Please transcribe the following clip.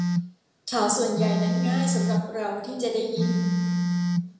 ข่าวส่วนใหญ่นั้นง่ายสำหรับเราที่จะได้ยิน